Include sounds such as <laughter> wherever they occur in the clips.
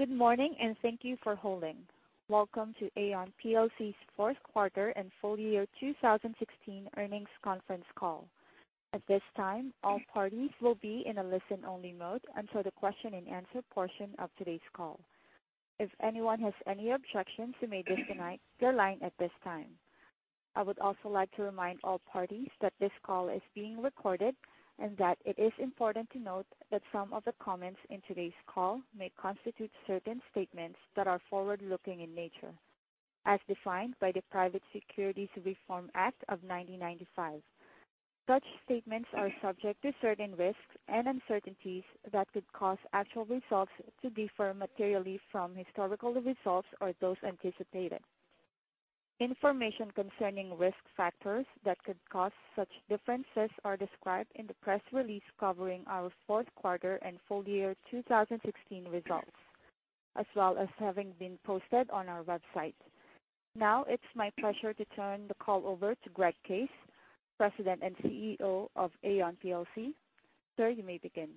Good morning, and thank you for holding. Welcome to Aon PLC's fourth quarter and full year 2016 earnings conference call. At this time, all parties will be in a listen-only mode until the question and answer portion of today's call. If anyone has any objections, you may disconnect your line at this time. I would also like to remind all parties that this call is being recorded and that it is important to note that some of the comments in today's call may constitute certain statements that are forward-looking in nature, as defined by the Private Securities Litigation Reform Act of 1995. Such statements are subject to certain risks and uncertainties that could cause actual results to differ materially from historical results or those anticipated. It's my pleasure to turn the call over to Greg Case, President and CEO of Aon PLC. Sir, you may begin.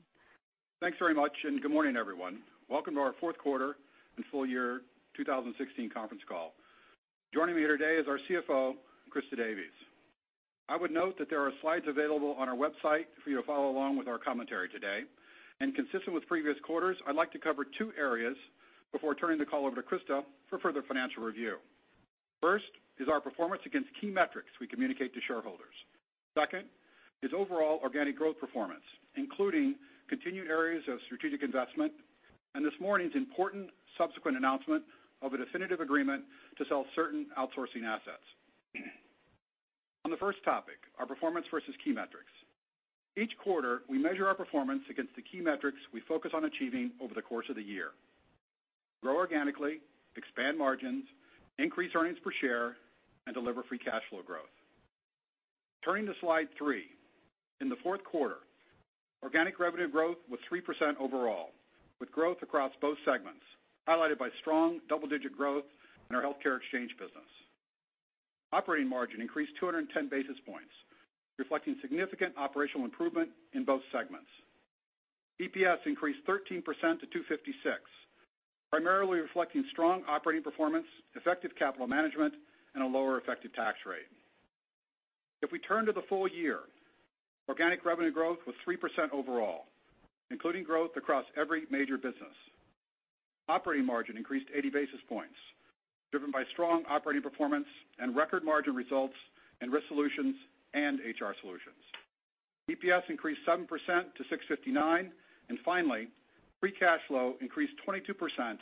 Thanks very much. Good morning, everyone. Welcome to our fourth quarter and full year 2016 conference call. Joining me here today is our CFO, Christa Davies. I would note that there are slides available on our website for you to follow along with our commentary today. Consistent with previous quarters, I'd like to cover two areas before turning the call over to Christa for further financial review. First is our performance against key metrics we communicate to shareholders. Second is overall organic growth performance, including continued areas of strategic investment and this morning's important subsequent announcement of a definitive agreement to sell certain outsourcing assets. On the first topic, our performance versus key metrics. Each quarter, we measure our performance against the key metrics we focus on achieving over the course of the year: grow organically, expand margins, increase earnings per share, and deliver free cash flow growth. Turning to slide three. In the fourth quarter, organic revenue growth was 3% overall, with growth across both segments, highlighted by strong double-digit growth in our healthcare exchange business. Operating margin increased 210 basis points, reflecting significant operational improvement in both segments. EPS increased 13% to $2.56, primarily reflecting strong operating performance, effective capital management, and a lower effective tax rate. We turn to the full year, organic revenue growth was 3% overall, including growth across every major business. Operating margin increased 80 basis points, driven by strong operating performance and record margin results in Risk Solutions and HR Solutions. EPS increased 7% to $6.59. Finally, free cash flow increased 22%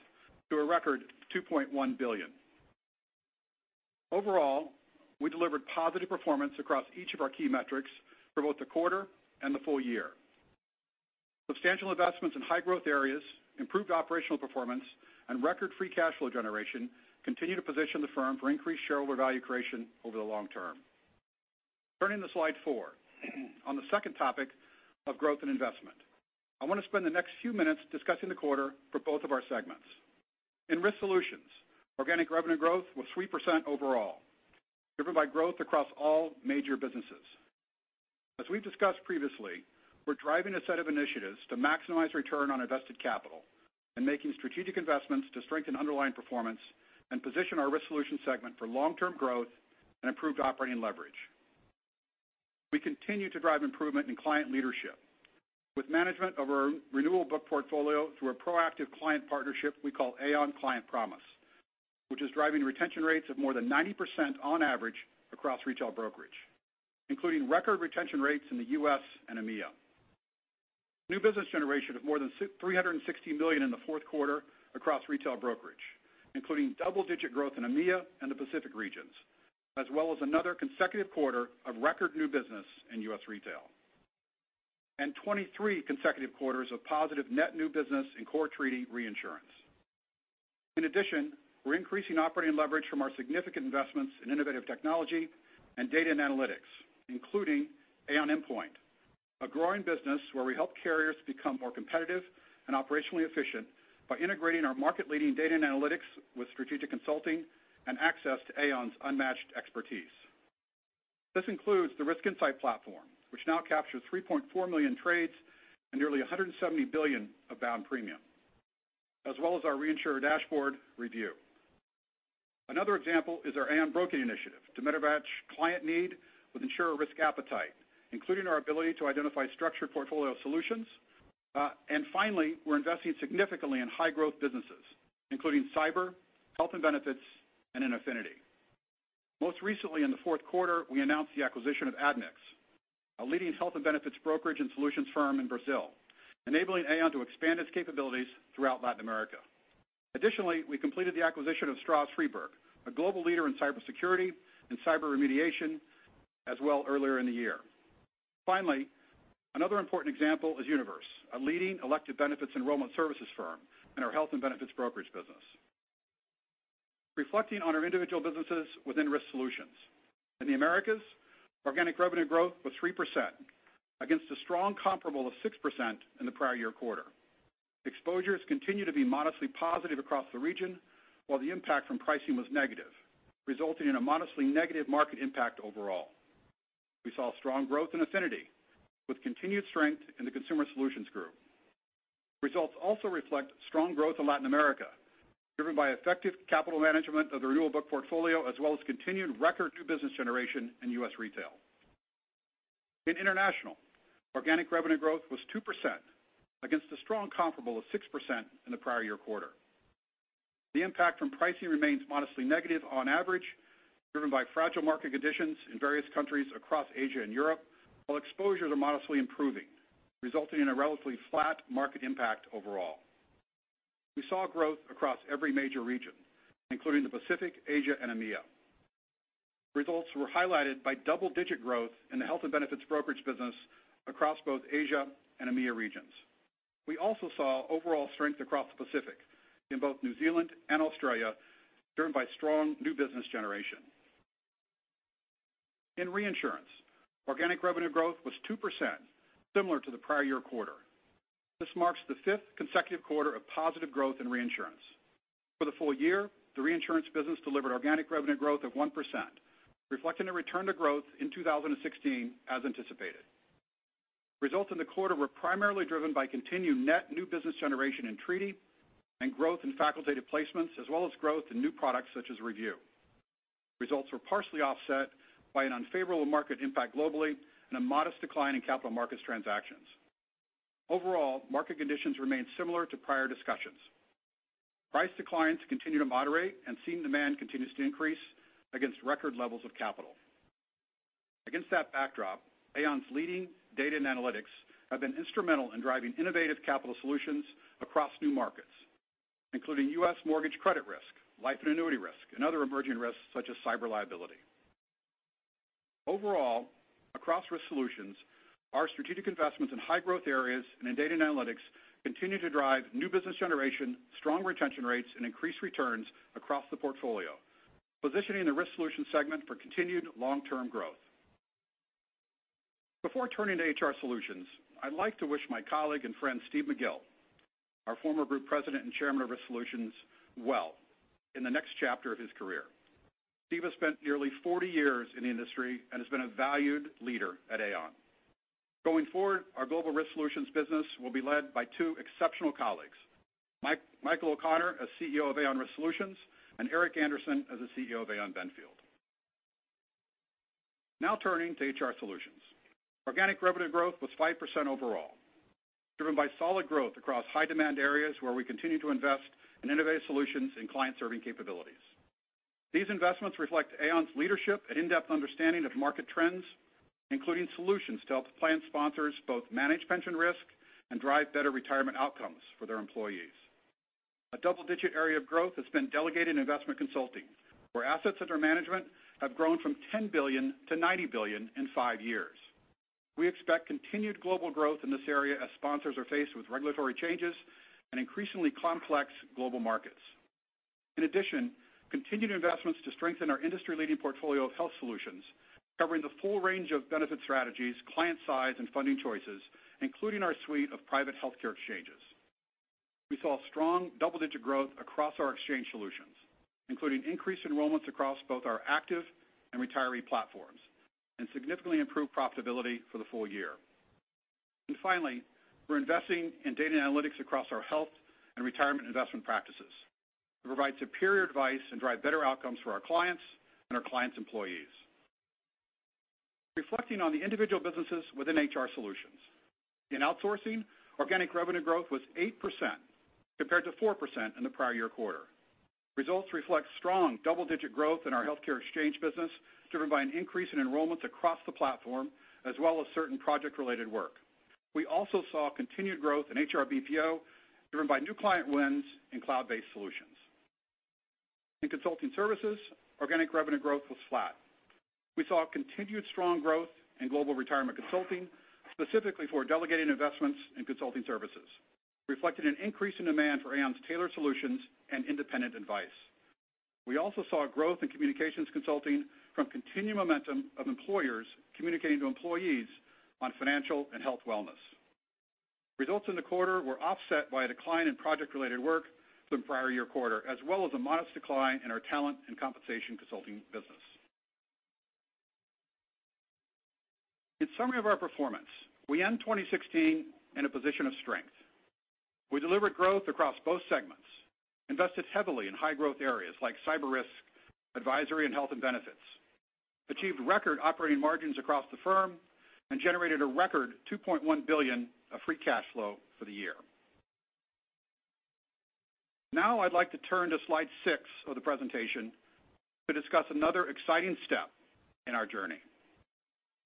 to a record $2.1 billion. Overall, we delivered positive performance across each of our key metrics for both the quarter and the full year. Substantial investments in high growth areas, improved operational performance, and record free cash flow generation continue to position the firm for increased shareholder value creation over the long term. Turning to slide four. On the second topic of growth and investment. I want to spend the next few minutes discussing the quarter for both of our segments. In Risk Solutions, organic revenue growth was 3% overall, driven by growth across all major businesses. As we've discussed previously, we're driving a set of initiatives to maximize return on invested capital and making strategic investments to strengthen underlying performance and position our Risk Solutions segment for long-term growth and improved operating leverage. We continue to drive improvement in client leadership with management of our renewal book portfolio through a proactive client partnership we call Aon Client Promise, which is driving retention rates of more than 90% on average across retail brokerage, including record retention rates in the U.S. and EMEA. New business generation of more than $360 million in the fourth quarter across retail brokerage, including double-digit growth in EMEA and the Pacific regions, as well as another consecutive quarter of record new business in U.S. retail. 23 consecutive quarters of positive net new business in core treaty reinsurance. In addition, we're increasing operating leverage from our significant investments in innovative technology and data and analytics, including Aon Inpoint, a growing business where we help carriers become more competitive and operationally efficient by integrating our market-leading data and analytics with strategic consulting and access to Aon's unmatched expertise. This includes the Risk Insight Platform, which now captures 3.4 million trades and nearly $170 billion of bound premium, as well as our reinsurer dashboard Re/View. Another example is our Aon Broking initiative to match client need with insurer risk appetite, including our ability to identify structured portfolio solutions. Finally, we're investing significantly in high growth businesses, including cyber, health and benefits, and in Affinity. Most recently in the fourth quarter, we announced the acquisition of Admix, a leading health and benefits brokerage and solutions firm in Brazil, enabling Aon to expand its capabilities throughout Latin America. Additionally, we completed the acquisition of Stroz Friedberg, a global leader in cybersecurity and cyber remediation as well earlier in the year. Finally, another important example is Univers, a leading elected benefits enrollment services firm in our health and benefits brokerage business. Reflecting on our individual businesses within Risk Solutions. In the Americas, organic revenue growth was 3% against a strong comparable of 6% in the prior year quarter. Exposures continue to be modestly positive across the region, while the impact from pricing was negative, resulting in a modestly negative market impact overall. We saw strong growth in Affinity with continued strength in the Consumer Solutions group. Results also reflect strong growth in Latin America, driven by effective capital management of the renewal book portfolio as well as continued record new business generation in U.S. retail. In International, organic revenue growth was 2% against a strong comparable of 6% in the prior year quarter. The impact from pricing remains modestly negative on average, driven by fragile market conditions in various countries across Asia and Europe, while exposures are modestly improving, resulting in a relatively flat market impact overall. We saw growth across every major region, including the Pacific, Asia, and EMEA. Results were highlighted by double-digit growth in the health and benefits brokerage business across both Asia and EMEA regions. We also saw overall strength across the Pacific in both New Zealand and Australia, driven by strong new business generation. In reinsurance, organic revenue growth was 2%, similar to the prior year quarter. This marks the fifth consecutive quarter of positive growth in reinsurance. For the full year, the reinsurance business delivered organic revenue growth of 1%, reflecting a return to growth in 2016 as anticipated. Results in the quarter were primarily driven by continued net new business generation in treaty and growth in facultative placements, as well as growth in new products such as Re/View. Results were partially offset by an unfavorable market impact globally and a modest decline in capital markets transactions. Market conditions remained similar to prior discussions. Price declines continue to moderate and seen demand continues to increase against record levels of capital. Against that backdrop, Aon's leading data and analytics have been instrumental in driving innovative capital solutions across new markets, including U.S. mortgage credit risk, life and annuity risk and other emerging risks such as cyber liability. Overall, across Risk Solutions, our strategic investments in high growth areas and in data and analytics continue to drive new business generation, strong retention rates, and increased returns across the portfolio, positioning the Risk Solutions segment for continued long-term growth. Before turning to HR Solutions, I'd like to wish my colleague and friend Steve McGill, our former Group President and Chairman of Risk Solutions, well in the next chapter of his career. Steve has spent nearly 40 years in the industry and has been a valued leader at Aon. Going forward, our global Risk Solutions business will be led by two exceptional colleagues, Michael O'Connor as CEO of Aon Risk Solutions and Eric Andersen as the CEO of Aon Benfield. Now turning to HR Solutions. Organic revenue growth was 5% overall, driven by solid growth across high demand areas where we continue to invest in innovative solutions and client-serving capabilities. These investments reflect Aon's leadership and in-depth understanding of market trends, including solutions to help plan sponsors both manage pension risk and drive better retirement outcomes for their employees. A double-digit area of growth has been Delegated Investment Solutions, where assets under management have grown from $10 billion to $90 billion in five years. We expect continued global growth in this area as sponsors are faced with regulatory changes and increasingly complex global markets. In addition, continued investments to strengthen our industry-leading portfolio of health solutions covering the full range of benefit strategies, client size, and funding choices, including our suite of private healthcare exchanges. We saw strong double-digit growth across our exchange solutions, including increased enrollments across both our active and retiree platforms and significantly improved profitability for the full year. Finally, we're investing in data and analytics across our health and retirement investment practices to provide superior advice and drive better outcomes for our clients and our clients' employees. Reflecting on the individual businesses within HR Solutions. In outsourcing, organic revenue growth was 8% compared to 4% in the prior year quarter. Results reflect strong double-digit growth in our healthcare exchange business, driven by an increase in enrollments across the platform as well as certain project-related work. We also saw continued growth in HR BPO driven by new client wins in cloud-based solutions. In consulting services, organic revenue growth was flat. We saw continued strong growth in global retirement consulting, specifically for delegated investments in consulting services, reflecting an increase in demand for Aon's tailored solutions and independent advice. We also saw growth in communications consulting from continued momentum of employers communicating to employees on financial and health wellness. Results in the quarter were offset by a decline in project-related work from the prior year quarter as well as a modest decline in our talent and compensation consulting business. In summary of our performance, we end 2016 in a position of strength. We delivered growth across both segments, invested heavily in high growth areas like cyber risk, advisory and health and benefits, achieved record operating margins across the firm, and generated a record $2.1 billion of free cash flow for the year. I'd like to turn to slide six of the presentation to discuss another exciting step in our journey.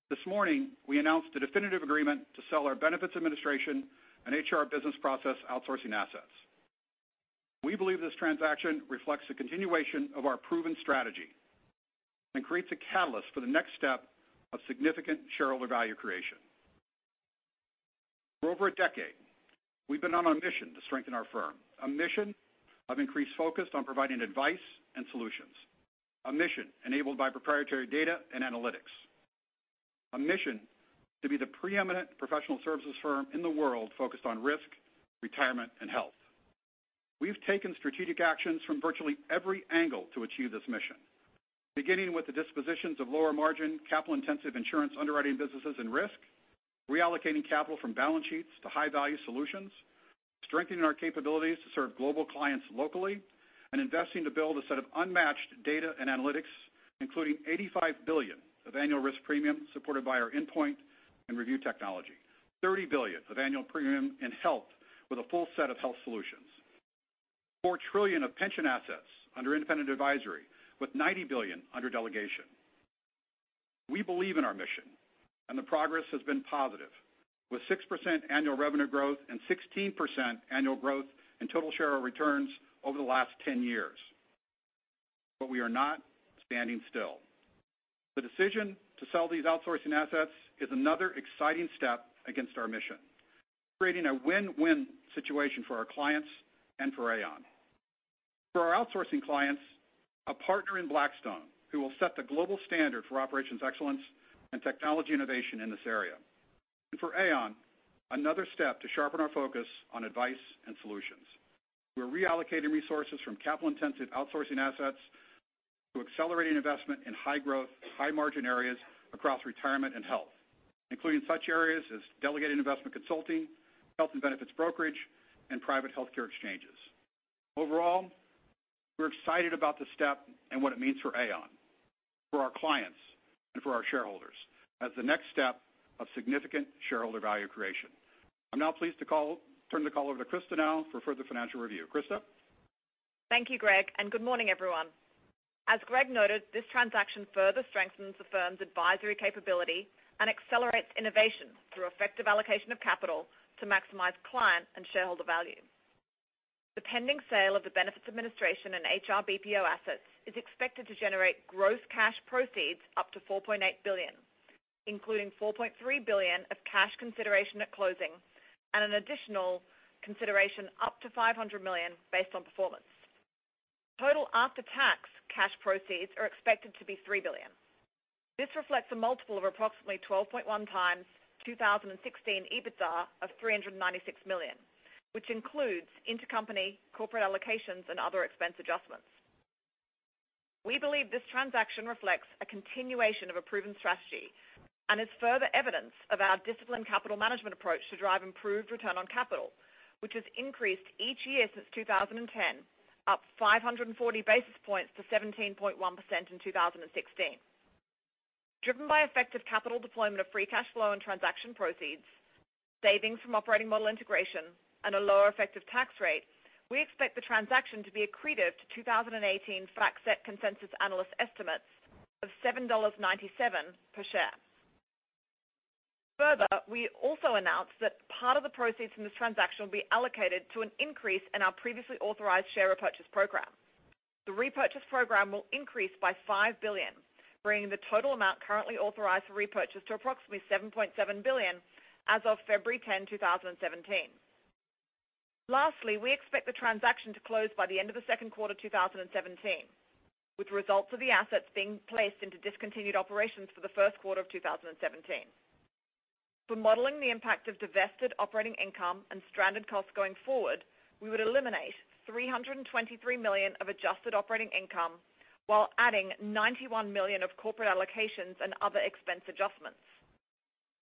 This morning, we announced a definitive agreement to sell our benefits administration and HR business process outsourcing assets. We believe this transaction reflects the continuation of our proven strategy and creates a catalyst for the next step of significant shareholder value creation. For over a decade, we've been on a mission to strengthen our firm. A mission of increased focus on providing advice and solutions. A mission enabled by proprietary data and analytics. A mission to be the preeminent professional services firm in the world focused on risk, retirement, and health. We've taken strategic actions from virtually every angle to achieve this mission. Beginning with the dispositions of lower margin, capital intensive insurance underwriting businesses and risk, reallocating capital from balance sheets to high value solutions, strengthening our capabilities to serve global clients locally, and investing to build a set of unmatched data and analytics, including $85 billion of annual risk premium supported by our Inpoint and Re/View technology. $30 billion of annual premium in health with a full set of health solutions. $4 trillion of pension assets under independent advisory with $90 billion under delegation. We believe in our mission, and the progress has been positive. With 6% annual revenue growth and 16% annual growth in total share of returns over the last 10 years. We are not standing still. The decision to sell these outsourcing assets is another exciting step against our mission, creating a win-win situation for our clients and for Aon. For our outsourcing clients, a partner in Blackstone who will set the global standard for operations excellence and technology innovation in this area. For Aon, another step to sharpen our focus on advice and solutions. We're reallocating resources from capital intensive outsourcing assets to accelerating investment in high growth, high margin areas across retirement and health, including such areas as delegated investment consulting, health and benefits brokerage, and private healthcare exchanges. Overall, we're excited about this step and what it means for Aon, for our clients and for our shareholders as the next step of significant shareholder value creation. I'm now pleased to turn the call over to Christa now for further financial review. Christa? Thank you, Greg, and good morning, everyone. As Greg noted, this transaction further strengthens the firm's advisory capability and accelerates innovation through effective allocation of capital to maximize client and shareholder value. The pending sale of the benefits administration and HR BPO assets is expected to generate gross cash proceeds up to $4.8 billion, including $4.3 billion of cash consideration at closing and an additional consideration up to $500 million based on performance. Total after-tax cash proceeds are expected to be $3 billion. This reflects a multiple of approximately 12.1x 2016 EBITDA of $396 million, which includes intercompany corporate allocations and other expense adjustments. We believe this transaction reflects a continuation of a proven strategy and is further evidence of our disciplined capital management approach to drive improved return on capital. Which has increased each year since 2010, up 540 basis points to 17.1% in 2016. Driven by effective capital deployment of free cash flow and transaction proceeds, savings from operating model integration and a lower effective tax rate, we expect the transaction to be accretive to 2018 FactSet consensus analyst estimates of $7.97 per share. We also announced that part of the proceeds from this transaction will be allocated to an increase in our previously authorized share repurchase program. The repurchase program will increase by $5 billion, bringing the total amount currently authorized for repurchase to approximately $7.7 billion as of February 10, 2017. Lastly, we expect the transaction to close by the end of the second quarter 2017, with results of the assets being placed into discontinued operations for the first quarter of 2017. For modeling the impact of divested operating income and stranded costs going forward, we would eliminate $323 million of adjusted operating income while adding $91 million of corporate allocations and other expense adjustments.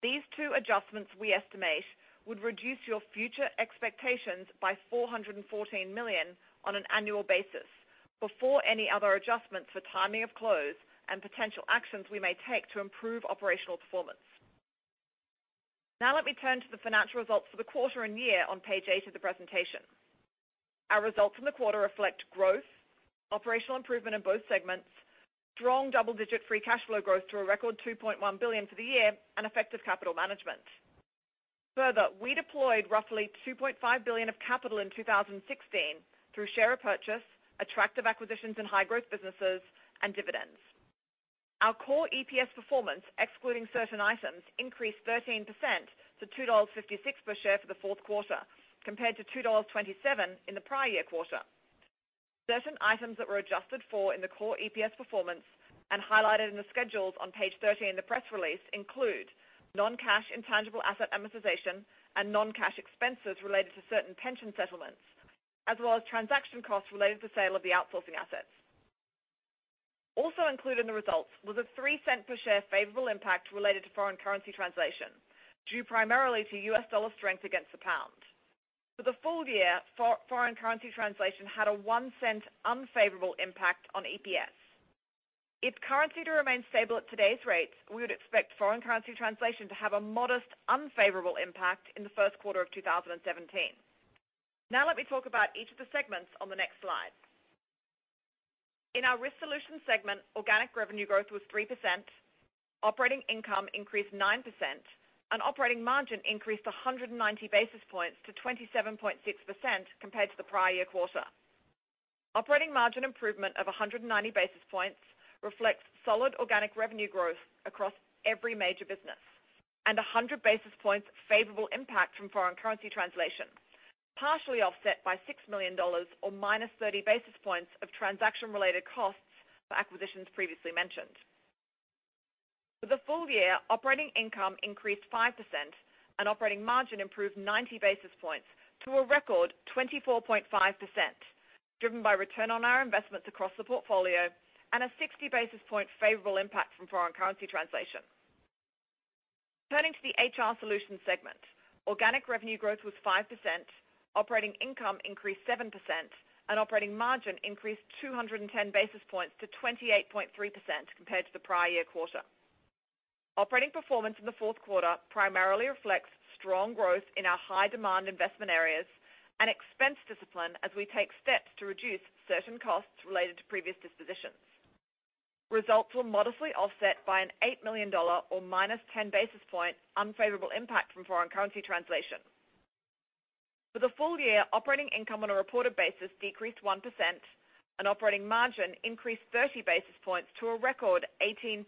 These two adjustments we estimate would reduce your future expectations by $414 million on an annual basis before any other adjustments for timing of close and potential actions we may take to improve operational performance. Let me turn to the financial results for the quarter and year on page eight of the presentation. Our results from the quarter reflect growth, operational improvement in both segments, strong double-digit free cash flow growth to a record $2.1 billion for the year, and effective capital management. We deployed roughly $2.5 billion of capital in 2016 through share repurchase, attractive acquisitions in high growth businesses and dividends. Our core EPS performance, excluding certain items, increased 13% to $2.56 per share for the fourth quarter, compared to $2.27 in the prior year quarter. Certain items that were adjusted for in the core EPS performance and highlighted in the schedules on page 13 of the press release include non-cash intangible asset amortization and non-cash expenses related to certain pension settlements, as well as transaction costs related to sale of the outsourcing assets. Also included in the results was a $0.03 per share favorable impact related to foreign currency translation, due primarily to U.S. dollar strength against the pound. For the full year, foreign currency translation had a $0.01 unfavorable impact on EPS. If currency were to remain stable at today's rates, we would expect foreign currency translation to have a modest unfavorable impact in the first quarter of 2017. Now let me talk about each of the segments on the next slide. In our Risk Solutions segment, organic revenue growth was 3%, operating income increased 9%, and operating margin increased 190 basis points to 27.6% compared to the prior year quarter. Operating margin improvement of 190 basis points reflects solid organic revenue growth across every major business and 100 basis points favorable impact from foreign currency translation, partially offset by $6 million or -30 basis points of transaction-related costs for acquisitions previously mentioned. For the full year, operating income increased 5%, and operating margin improved 90 basis points to a record 24.5%, driven by return on our investments across the portfolio and a 60 basis point favorable impact from foreign currency translation. Turning to the HR Solutions segment, organic revenue growth was 5%, operating income increased 7%, and operating margin increased 210 basis points to 28.3% compared to the prior year quarter. Operating performance in the fourth quarter primarily reflects strong growth in our high-demand investment areas and expense discipline as we take steps to reduce certain costs related to previous dispositions. Results were modestly offset by an $8 million, or -10 basis point, unfavorable impact from foreign currency translation. For the full year, operating income on a reported basis decreased 1%, and operating margin increased 30 basis points to a record 18.4%.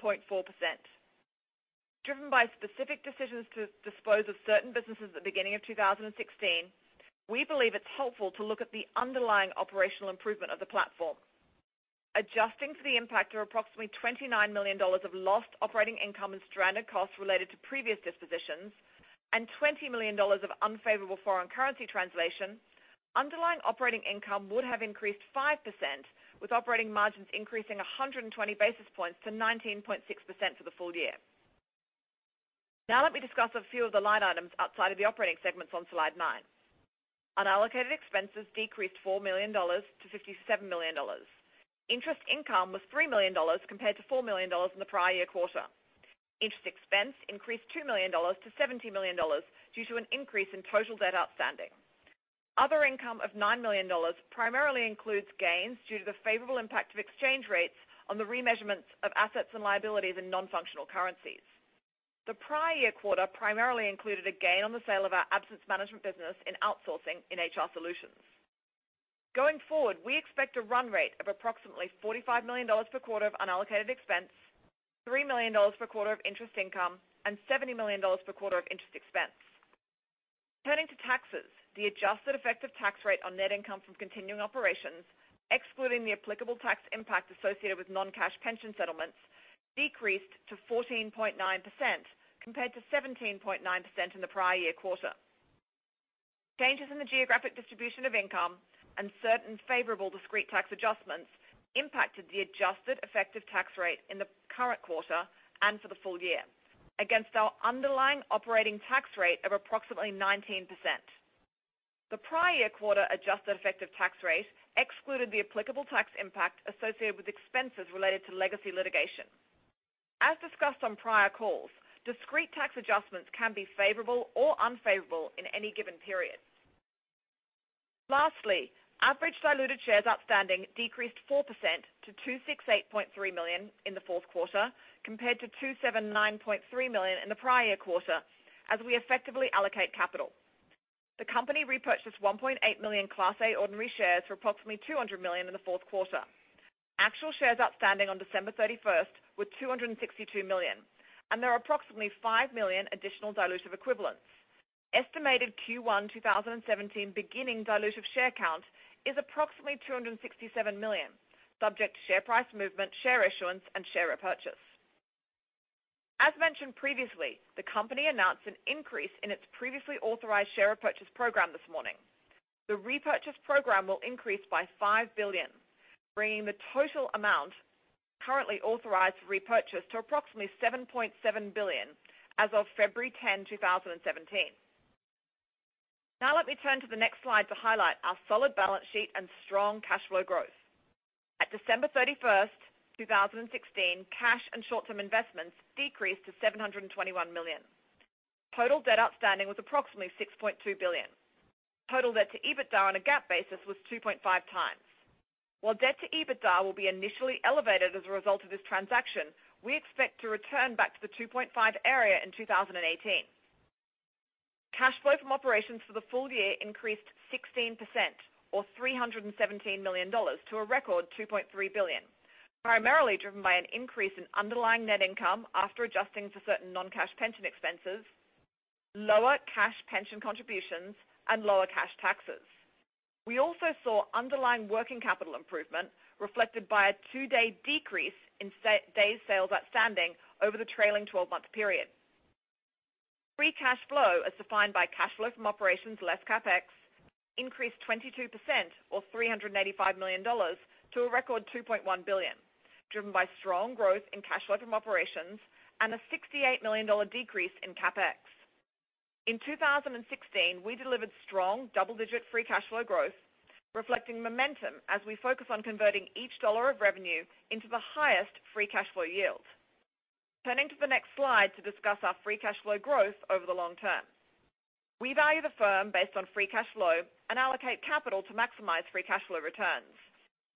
Driven by specific decisions to dispose of certain businesses at the beginning of 2016, we believe it's helpful to look at the underlying operational improvement of the platform. Adjusting for the impact of approximately $29 million of lost operating income and stranded costs related to previous dispositions, and $20 million of unfavorable foreign currency translation, underlying operating income would have increased 5%, with operating margins increasing 120 basis points to 19.6% for the full year. Now let me discuss a few of the line items outside of the operating segments on slide nine. Unallocated expenses decreased $4 million to $57 million. Interest income was $3 million, compared to $4 million in the prior year quarter. Interest expense increased $2 million to $70 million due to an increase in total debt outstanding. Other income of $9 million primarily includes gains due to the favorable impact of exchange rates on the remeasurements of assets and liabilities in non-functional currencies. The prior year quarter primarily included a gain on the sale of our absence management business in outsourcing in HR Solutions. Going forward, we expect a run rate of approximately $45 million per quarter of unallocated expense, $3 million per quarter of interest income, and $70 million per quarter of interest expense. Turning to taxes, the adjusted effective tax rate on net income from continuing operations, excluding the applicable tax impact associated with non-cash pension settlements, decreased to 14.9%, compared to 17.9% in the prior year quarter. Changes in the geographic distribution of income and certain favorable discrete tax adjustments impacted the adjusted effective tax rate in the current quarter and for the full year against our underlying operating tax rate of approximately 19%. The prior year quarter adjusted effective tax rate excluded the applicable tax impact associated with expenses related to legacy litigation. As discussed on prior calls, discrete tax adjustments can be favorable or unfavorable in any given period. Lastly, average diluted shares outstanding decreased 4% to 268.3 million in the fourth quarter, compared to 279.3 million in the prior year quarter, as we effectively allocate capital. The company repurchased 1.8 million Class A ordinary shares for approximately $200 million in the fourth quarter. Actual shares outstanding on December 31st were 262 million, and there are approximately five million additional dilutive equivalents. Estimated Q1 2017 beginning dilutive share count is approximately 267 million, subject to share price movement, share issuance, and share repurchase. As mentioned previously, the company announced an increase in its previously authorized share repurchase program this morning. The repurchase program will increase by $5 billion, bringing the total amount currently authorized for repurchase to approximately $7.7 billion as of February 10, 2017. Let me turn to the next slide to highlight our solid balance sheet and strong cash flow growth. At December 31st, 2016, cash and short-term investments decreased to $721 million. Total debt outstanding was approximately $6.2 billion. Total debt to EBITDA on a GAAP basis was 2.5 times. While debt to EBITDA will be initially elevated as a result of this transaction, we expect to return back to the 2.5 area in 2018. Cash flow from operations for the full year increased 16%, or $317 million, to a record $2.3 billion, primarily driven by an increase in underlying net income after adjusting for certain non-cash pension expenses, lower cash pension contributions, and lower cash taxes. We also saw underlying working capital improvement reflected by a two-day decrease in days' sales outstanding over the trailing 12-month period. Free cash flow, as defined by cash flow from operations less CapEx, increased 22%, or $385 million, to a record $2.1 billion, driven by strong growth in cash flow from operations and a $68 million decrease in CapEx. In 2016, we delivered strong double-digit free cash flow growth, reflecting momentum as we focus on converting each dollar of revenue into the highest free cash flow yield. Turning to the next slide to discuss our free cash flow growth over the long term. We value the firm based on free cash flow and allocate capital to maximize free cash flow returns.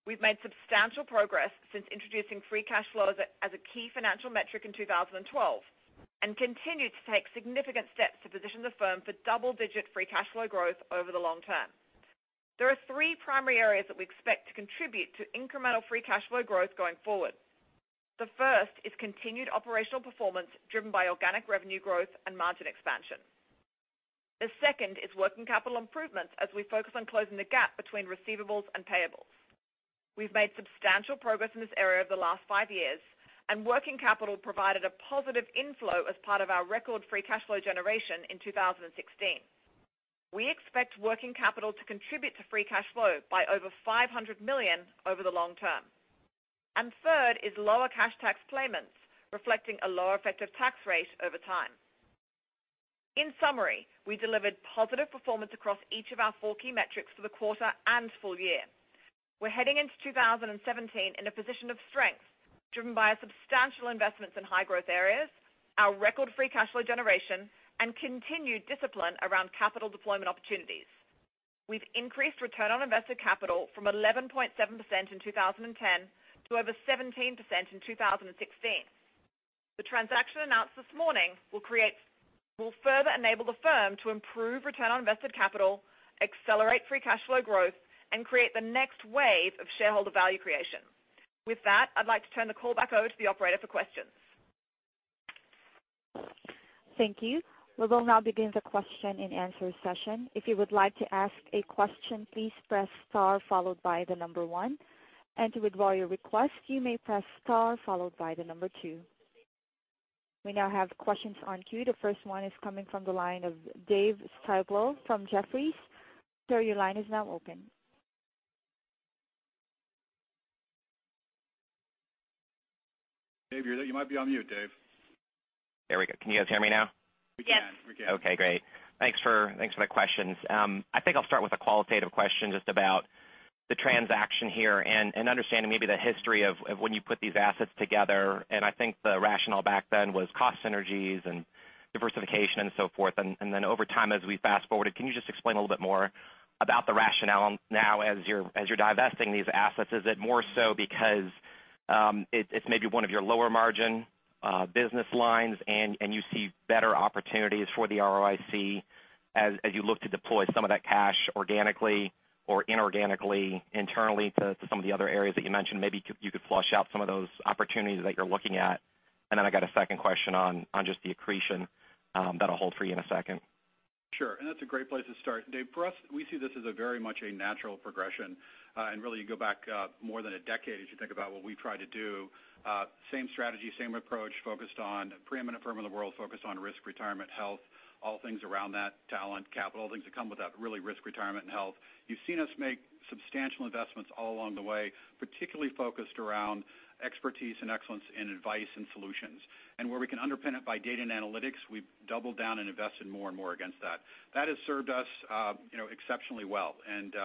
We've made substantial progress since introducing free cash flow as a key financial metric in 2012 and continue to take significant steps to position the firm for double-digit free cash flow growth over the long term. There are three primary areas that we expect to contribute to incremental free cash flow growth going forward. The first is continued operational performance driven by organic revenue growth and margin expansion. The second is working capital improvements as we focus on closing the gap between receivables and payables. We've made substantial progress in this area over the last five years, and working capital provided a positive inflow as part of our record free cash flow generation in 2016. We expect working capital to contribute to free cash flow by over $500 million over the long term. Third is lower cash tax payments, reflecting a lower effective tax rate over time. In summary, we delivered positive performance across each of our four key metrics for the quarter and full year. We're heading into 2017 in a position of strength, driven by our substantial investments in high growth areas, our record free cash flow generation, and continued discipline around capital deployment opportunities. We've increased return on invested capital from 11.7% in 2010 to over 17% in 2016. The transaction announced this morning will further enable the firm to improve return on invested capital, accelerate free cash flow growth, and create the next wave of shareholder value creation. With that, I'd like to turn the call back over to the operator for questions. Thank you. We will now begin the question and answer session. If you would like to ask a question, please press star followed by the number 1. To withdraw your request, you may press star followed by the number 2. We now have questions on queue. The first one is coming from the line of David Styblo from Jefferies. Sir, your line is now open. Dave, you might be on mute, Dave. There we go. Can you guys hear me now? Yes. We can. Okay, great. Thanks for the questions. I think I'll start with a qualitative question just about the transaction here and understanding maybe the history of when you put these assets together, and I think the rationale back then was cost synergies and diversification and so forth. Over time, as we fast-forwarded, can you just explain a little bit more about the rationale now as you're divesting these assets? Is it more so because it's maybe one of your lower margin business lines and you see better opportunities for the ROIC as you look to deploy some of that cash organically or inorganically internally to some of the other areas that you mentioned? Maybe you could flush out some of those opportunities that you're looking at. I got a second question on just the accretion that I'll hold for you in a second. Sure. That's a great place to start. David Styblo, for us, we see this as a very much a natural progression. Really, you go back more than a decade as you think about what we've tried to do. Same strategy, same approach, preeminent firm in the world focused on risk, retirement, health, all things around that. Talent, capital, all things that come with that, really risk, retirement, and health. You've seen us make substantial investments all along the way, particularly focused around expertise and excellence in advice and solutions. Where we can underpin it by data and analytics, we've doubled down and invested more and more against that. That has served us exceptionally well, and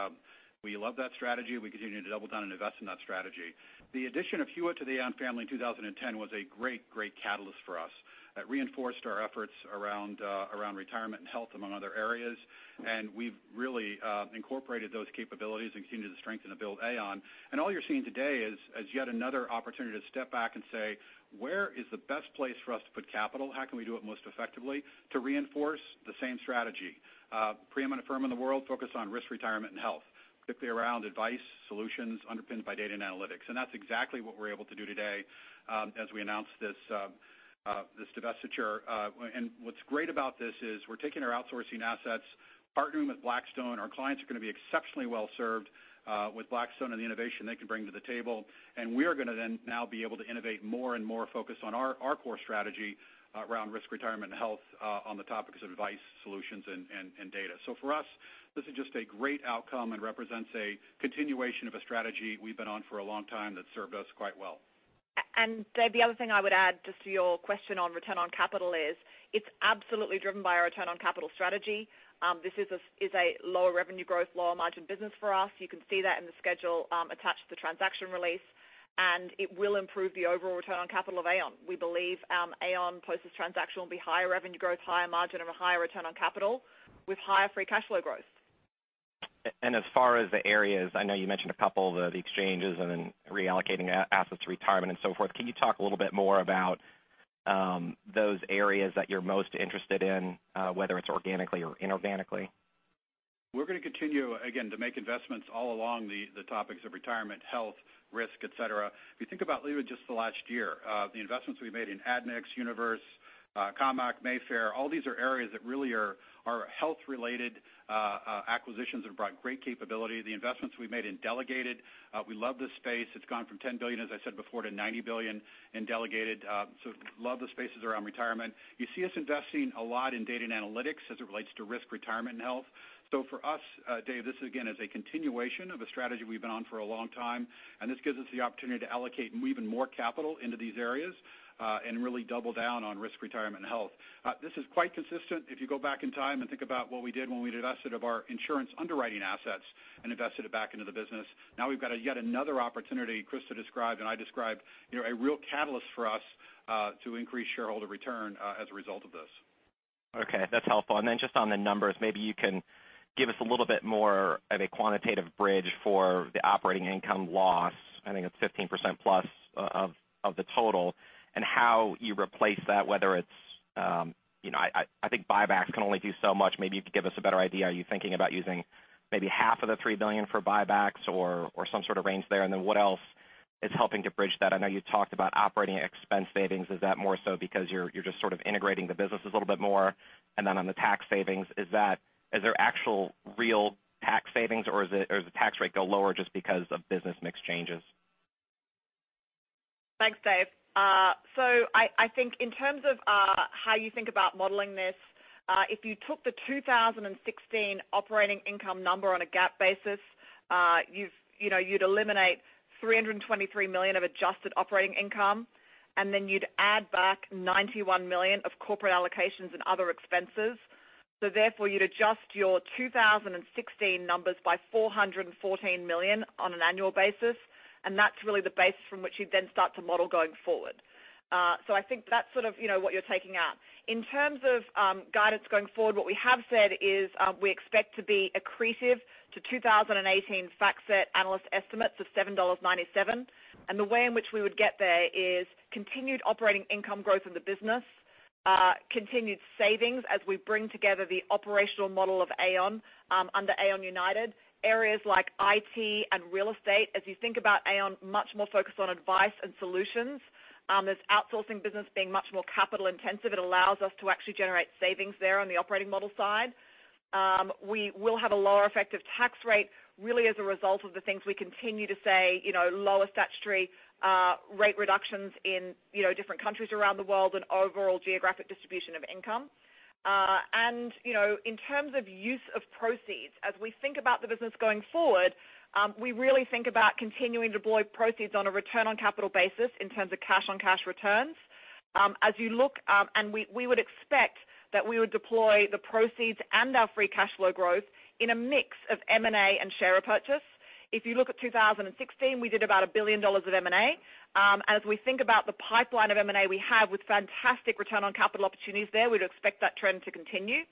we love that strategy. We continue to double down and invest in that strategy. The addition of Hewitt to the Aon family in 2010 was a great catalyst for us. It reinforced our efforts around retirement and health, among other areas. We've really incorporated those capabilities and continue to strengthen and build Aon. All you're seeing today is yet another opportunity to step back and say, "Where is the best place for us to put capital? How can we do it most effectively to reinforce the same strategy?" Preeminent firm in the world focused on risk, retirement, and health, particularly around advice, solutions, underpinned by data and analytics. That's exactly what we're able to do today as we announce this divestiture. What's great about this is we're taking our outsourcing assets, partnering with Blackstone. Our clients are going to be exceptionally well-served with Blackstone and the innovation they can bring to the table. We are going to now be able to innovate more and more focused on our core strategy around Risk, Retirement, and Health on the topics of advice, solutions, and data. For us, this is just a great outcome and represents a continuation of a strategy we've been on for a long time that's served us quite well. Dave, the other thing I would add just to your question on return on capital is it's absolutely driven by our return on capital strategy. This is a lower revenue growth, lower margin business for us. You can see that in the schedule attached to the transaction release, it will improve the overall return on capital of Aon. We believe Aon post this transaction will be higher revenue growth, higher margin, and a higher return on capital with higher free cash flow growth. As far as the areas, I know you mentioned a couple, the exchanges and then reallocating assets to Retirement and so forth. Can you talk a little bit more about those areas that you're most interested in, whether it's organically or inorganically? We're going to continue, again, to make investments all along the topics of Retirement, Health, Risk, et cetera. If you think about even just the last year, the investments we made in Admix, Univers, <inaudible> Mayfair, all these are areas that really are health related acquisitions that have brought great capability. The investments we've made in Delegated, we love this space. It's gone from $10 billion, as I said before, to $90 billion in Delegated. Love the spaces around Retirement. You see us investing a lot in data and analytics as it relates to Risk, Retirement, and Health. For us, Dave, this again, is a continuation of a strategy we've been on for a long time, and this gives us the opportunity to allocate even more capital into these areas, and really double down on Risk, Retirement, and Health. This is quite consistent if you go back in time and think about what we did when we divested of our insurance underwriting assets and invested it back into the business. Now we've got yet another opportunity, Christa has described, and I described, a real catalyst for us to increase shareholder return as a result of this. Okay, that's helpful. Just on the numbers, maybe you can give us a little bit more of a quantitative bridge for the operating income loss. I think it's 15%+ of the total, and how you replace that. I think buybacks can only do so much. Maybe you could give us a better idea. Are you thinking about using maybe half of the $3 billion for buybacks or some sort of range there? What else is helping to bridge that? I know you talked about operating expense savings. Is that more so because you're just sort of integrating the businesses a little bit more? On the tax savings, is there actual real tax savings, or does the tax rate go lower just because of business mix changes? Thanks, Dave. I think in terms of how you think about modeling this, if you took the 2016 operating income number on a GAAP basis, you'd eliminate $323 million of adjusted operating income. Then you'd add back $91 million of corporate allocations and other expenses. Therefore, you'd adjust your 2016 numbers by $414 million on an annual basis, and that's really the basis from which you'd then start to model going forward. I think that's sort of what you're taking out. In terms of guidance going forward, what we have said is we expect to be accretive to 2018 FactSet analyst estimates of $7.97. The way in which we would get there is continued operating income growth in the business, continued savings as we bring together the operational model of Aon under Aon United. Areas like IT and real estate, as you think about Aon, much more focused on advice and solutions. This outsourcing business being much more capital intensive, it allows us to actually generate savings there on the operating model side. We will have a lower effective tax rate, really as a result of the things we continue to say, lower statutory rate reductions in different countries around the world, and overall geographic distribution of income. In terms of use of proceeds, as we think about the business going forward, we really think about continuing to deploy proceeds on a return on capital basis in terms of cash on cash returns. As you look, we would expect that we would deploy the proceeds and our free cash flow growth in a mix of M&A and share repurchase. If you look at 2016, we did about $1 billion of M&A. We think about the pipeline of M&A we have with fantastic return on capital opportunities there, we'd expect that trend to continue.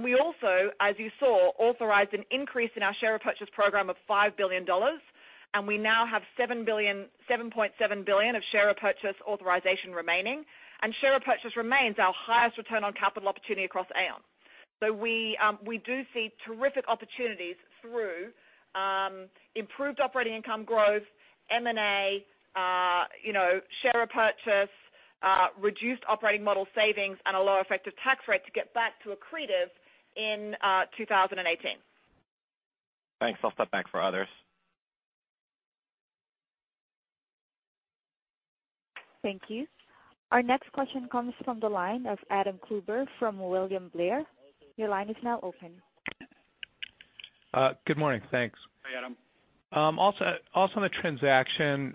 We also, as you saw, authorized an increase in our share repurchase program of $5 billion. We now have $7.7 billion of share repurchase authorization remaining. Share repurchase remains our highest return on capital opportunity across Aon. We do see terrific opportunities through improved operating income growth, M&A, share repurchase, reduced operating model savings, and a lower effective tax rate to get back to accretive in 2018. Thanks. I'll step back for others. Thank you. Our next question comes from the line of Adam Klauber from William Blair. Your line is now open. Good morning. Thanks. Hi, Adam. On the transaction,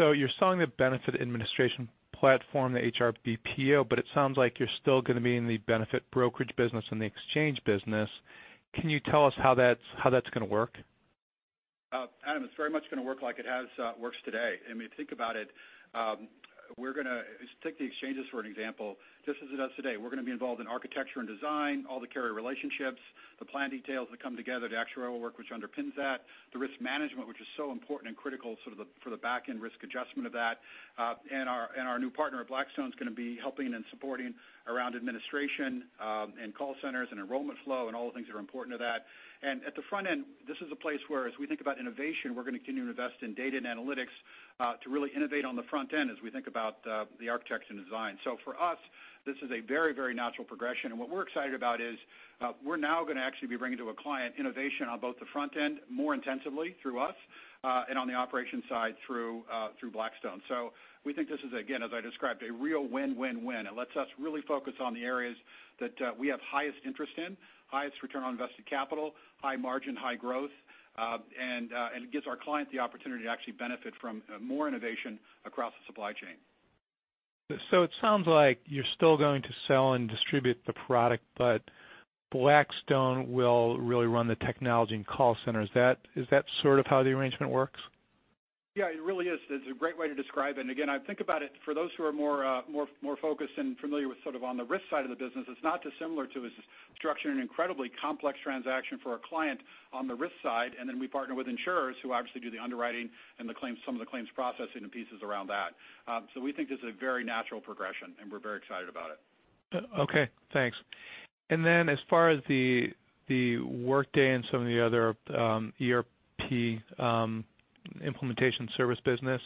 you're selling the benefit administration platform, the HR BPO, but it sounds like you're still going to be in the benefit brokerage business and the exchange business. Can you tell us how that's going to work? Adam, it's very much going to work like it works today. I mean, think about it. Take the exchanges for an example. Just as it does today, we're going to be involved in architecture and design, all the carrier relationships, the plan details that come together, the actuarial work which underpins that, the risk management, which is so important and critical for the back-end risk adjustment of that. Our new partner at Blackstone is going to be helping and supporting around administration, and call centers, and enrollment flow, and all the things that are important to that. At the front end, this is a place where, as we think about innovation, we're going to continue to invest in data and analytics to really innovate on the front end as we think about the architecture and design. For us, this is a very natural progression. What we're excited about is we're now going to actually be bringing to a client innovation on both the front end more intensively through us, and on the operations side through Blackstone. We think this is, again, as I described, a real win-win-win. It lets us really focus on the areas that we have highest interest in, highest return on invested capital, high margin, high growth, it gives our client the opportunity to actually benefit from more innovation across the supply chain. It sounds like you're still going to sell and distribute the product, but Blackstone will really run the technology and call center. Is that sort of how the arrangement works? Yeah, it really is. It's a great way to describe it. Again, think about it, for those who are more focused and familiar with sort of on the risk side of the business, it's not dissimilar to us structuring an incredibly complex transaction for a client on the risk side, and then we partner with insurers who obviously do the underwriting and some of the claims processing and pieces around that. We think this is a very natural progression, and we're very excited about it. Okay, thanks. Then as far as the Workday and some of the other ERP implementation service business,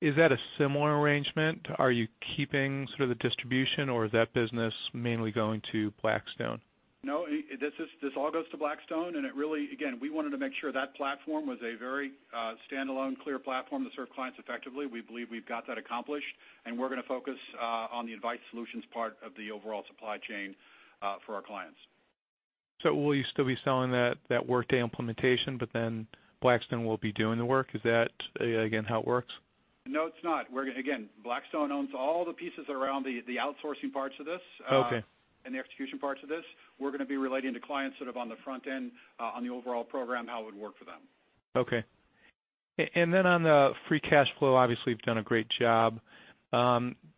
is that a similar arrangement? Are you keeping sort of the distribution, or is that business mainly going to Blackstone? No, this all goes to Blackstone, and it really, again, we wanted to make sure that platform was a very standalone, clear platform to serve clients effectively. We believe we've got that accomplished, and we're going to focus on the advice solutions part of the overall supply chain for our clients. Will you still be selling that Workday implementation, but then Blackstone will be doing the work? Is that, again, how it works? No, it's not. Again, Blackstone owns all the pieces around the outsourcing parts of this. Okay And the execution parts of this. We're going to be relating to clients sort of on the front end on the overall program, how it would work for them. Okay. On the free cash flow, obviously, you've done a great job.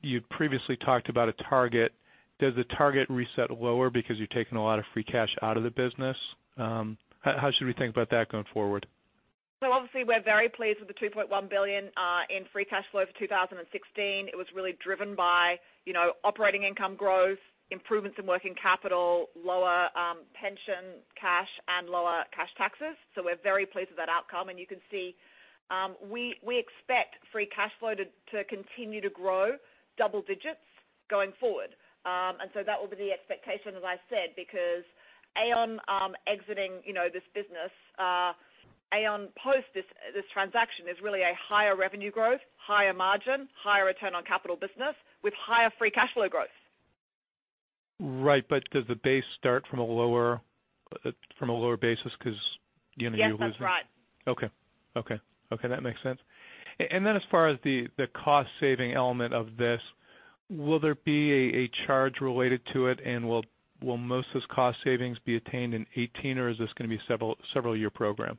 You'd previously talked about a target. Does the target reset lower because you're taking a lot of free cash out of the business? How should we think about that going forward? Obviously, we're very pleased with the $2.1 billion in free cash flow for 2016, it was really driven by operating income growth, improvements in working capital, lower pension cash and lower cash taxes. We're very pleased with that outcome. You can see, we expect free cash flow to continue to grow double digits going forward. That will be the expectation, as I said, because Aon exiting this business, Aon post this transaction is really a higher revenue growth, higher margin, higher return on capital business with higher free cash flow growth. Right. Does the base start from a lower basis because you're losing? Yes, that's right. Okay. That makes sense. As far as the cost-saving element of this, will there be a charge related to it and will most of those cost savings be attained in 2018 or is this going to be a several-year program?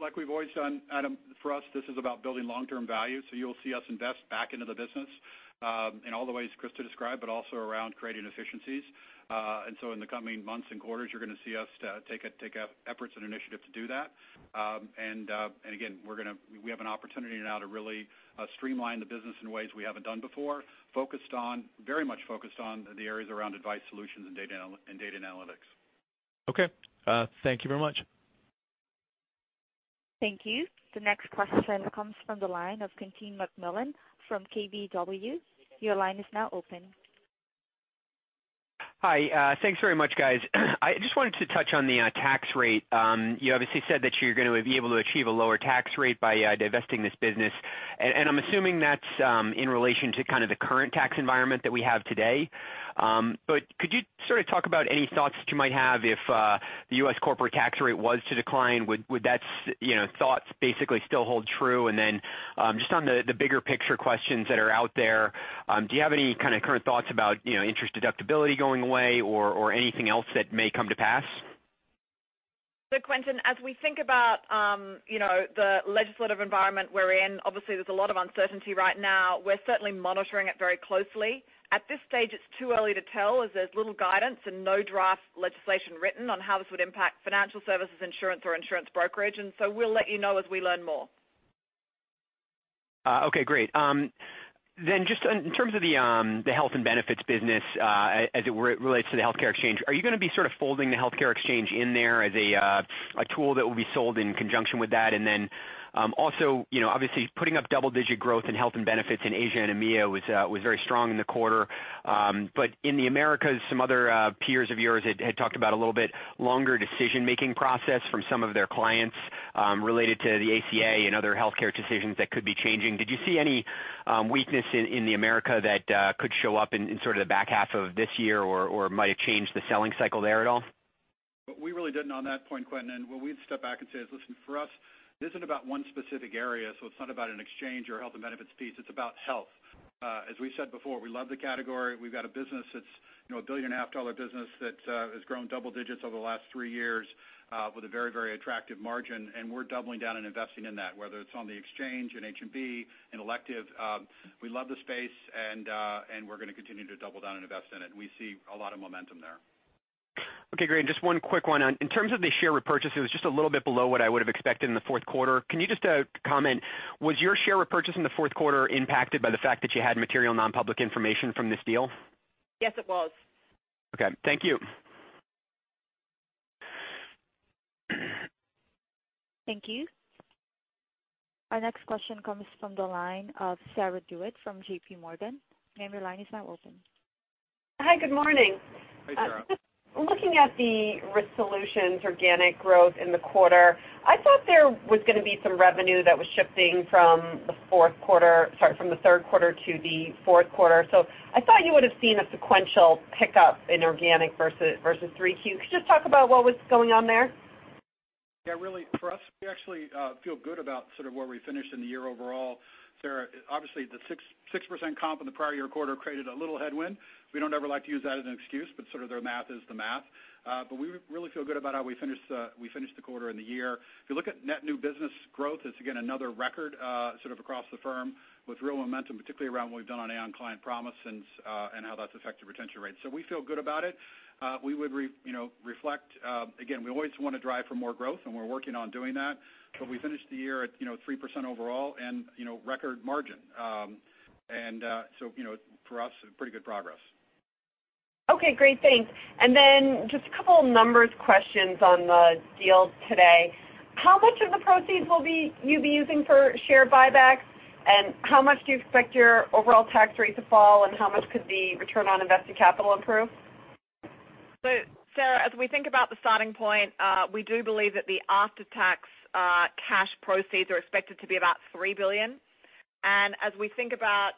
Like we've always done, Adam, for us, this is about building long-term value. You'll see us invest back into the business, in all the ways Christa described, but also around creating efficiencies. In the coming months and quarters, you're going to see us take efforts and initiatives to do that. Again, we have an opportunity now to really streamline the business in ways we haven't done before, very much focused on the areas around advice solutions and data analytics. Okay. Thank you very much. Thank you. The next question comes from the line of Quentin McMillan from KBW. Your line is now open. Hi. Thanks very much, guys. I just wanted to touch on the tax rate. You obviously said that you're going to be able to achieve a lower tax rate by divesting this business, and I'm assuming that's in relation to kind of the current tax environment that we have today. Could you sort of talk about any thoughts that you might have if the U.S. corporate tax rate was to decline? Would thoughts basically still hold true? Then just on the bigger picture questions that are out there, do you have any kind of current thoughts about interest deductibility going away or anything else that may come to pass? Quentin, as we think about the legislative environment we're in, obviously there's a lot of uncertainty right now. We're certainly monitoring it very closely. At this stage, it's too early to tell as there's little guidance and no draft legislation written on how this would impact financial services, insurance or insurance brokerage. We'll let you know as we learn more. Okay, great. Just in terms of the health and benefits business as it relates to the healthcare exchange, are you going to be sort of folding the healthcare exchange in there as a tool that will be sold in conjunction with that? Also, obviously putting up double-digit growth in health and benefits in Asia and EMEA was very strong in the quarter. In the Americas, some other peers of yours had talked about a little bit longer decision-making process from some of their clients related to the ACA and other healthcare decisions that could be changing. Did you see any weakness in the Americas that could show up in sort of the back half of this year or might have changed the selling cycle there at all? We really didn't on that point, Quentin. Where we'd step back and say is, listen, for us, this isn't about one specific area. It's not about an exchange or health and benefits piece. It's about health. As we said before, we love the category. We've got a business that's a billion and a half dollar business that has grown double digits over the last three years with a very attractive margin. We're doubling down and investing in that, whether it's on the exchange, in H&B, in elective. We love the space and we're going to continue to double down and invest in it. We see a lot of momentum there. Okay, great. Just one quick one. In terms of the share repurchases, just a little bit below what I would have expected in the fourth quarter. Can you just comment, was your share repurchase in the fourth quarter impacted by the fact that you had material non-public information from this deal? Yes, it was. Okay. Thank you. Thank you. Our next question comes from the line of Sarah DeWitt from JPMorgan. Ma'am, your line is now open. Hi, good morning. Hi, Sarah DeWitt. Just looking at the Risk Solutions organic growth in the quarter, I thought there was going to be some revenue that was shifting from the third quarter to the fourth quarter. I thought you would have seen a sequential pickup in organic versus 3Q. Could you just talk about what was going on there? Really for us, we actually feel good about sort of where we finished in the year overall, Sarah DeWitt. Obviously, the 6% comp in the prior year quarter created a little headwind. We don't ever like to use that as an excuse, but sort of the math is the math. We really feel good about how we finished the quarter and the year. If you look at net new business growth, it's again, another record sort of across the firm with real momentum, particularly around what we've done on Aon Client Promise and how that's affected retention rates. We feel good about it. We would reflect, again, we always want to drive for more growth and we're working on doing that. We finished the year at 3% overall and record margin. For us, pretty good progress. Okay, great. Thanks. Just a two numbers questions on the deal today. How much of the proceeds will you be using for share buybacks? How much do you expect your overall tax rate to fall, and how much could the return on invested capital improve? Sarah, as we think about the starting point, we do believe that the after-tax cash proceeds are expected to be about $3 billion. As we think about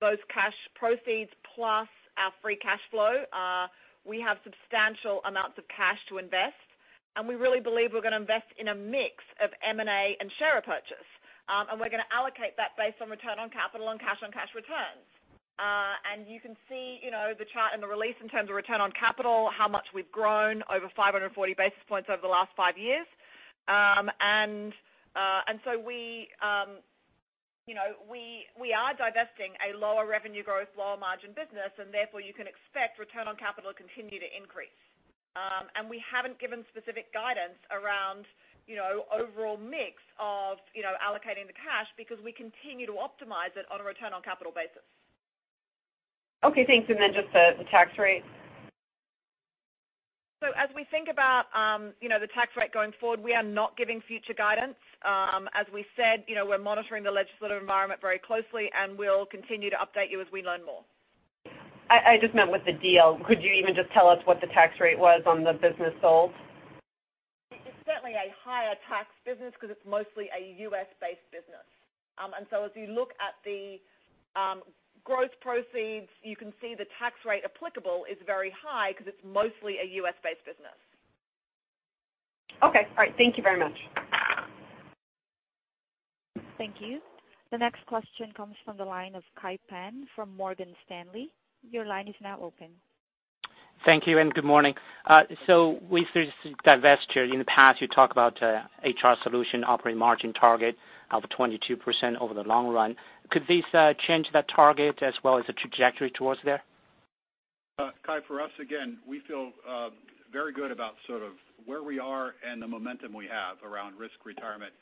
those cash proceeds plus our free cash flow, we have substantial amounts of cash to invest, and we really believe we're going to invest in a mix of M&A and share repurchase. We're going to allocate that based on return on capital and cash on cash returns. You can see the chart in the release in terms of return on capital, how much we've grown over 540 basis points over the last five years. We are divesting a lower revenue growth, lower margin business, and therefore you can expect return on capital to continue to increase. We haven't given specific guidance around overall mix of allocating the cash because we continue to optimize it on a return on capital basis. Okay, thanks. Just the tax rate. As we think about the tax rate going forward, we are not giving future guidance. As we said, we're monitoring the legislative environment very closely, and we'll continue to update you as we learn more. I just meant with the deal. Could you even just tell us what the tax rate was on the business sold? It's certainly a higher tax business because it's mostly a U.S.-based business. As you look at the gross proceeds, you can see the tax rate applicable is very high because it's mostly a U.S.-based business. Okay. All right. Thank you very much. Thank you. The next question comes from the line of Kai Pan from Morgan Stanley. Your line is now open. Thank you and good morning. With this divestiture, in the past, you talk about HR Solutions operating margin target of 22% over the long run. Could this change that target as well as the trajectory towards there? Kai, for us, again, we feel very good about sort of where we are and the momentum we have around Risk, Retirement,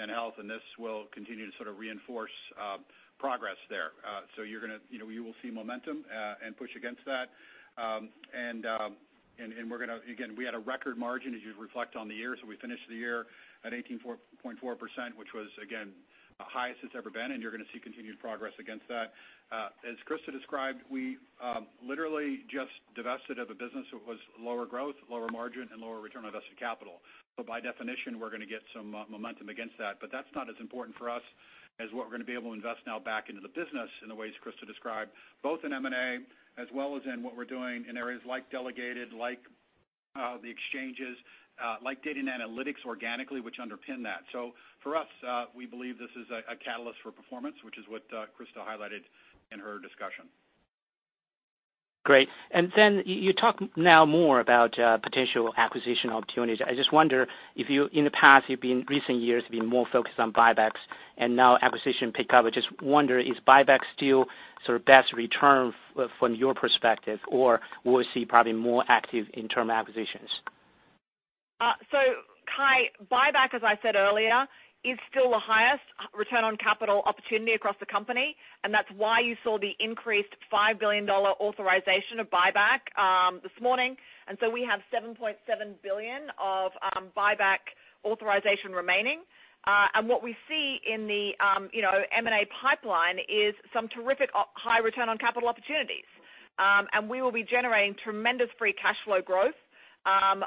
and Health, and this will continue to sort of reinforce progress there. You will see momentum and push against that. We had a record margin as you reflect on the year, we finished the year at 18.4%, which was again, highest it's ever been, and you're going to see continued progress against that. As Christa described, we literally just divested of a business that was lower growth, lower margin, and lower ROIC. By definition, we're going to get some momentum against that. That's not as important for us as what we're going to be able to invest now back into the business in the ways Christa described, both in M&A as well as in what we're doing in areas like Delegated, like the exchanges, like data and analytics organically, which underpin that. For us, we believe this is a catalyst for performance, which is what Christa highlighted in her discussion. Great. You talk now more about potential acquisition opportunities. I just wonder if in recent years, been more focused on buybacks and now acquisition pick up. I just wonder, is buyback still sort of best return from your perspective, or we'll see probably more active internal acquisitions? Kai, buyback, as I said earlier, is still the highest return on capital opportunity across the company, that's why you saw the increased $5 billion authorization of buyback this morning. We have $7.7 billion of buyback authorization remaining. What we see in the M&A pipeline is some terrific high return on capital opportunities. We will be generating tremendous free cash flow growth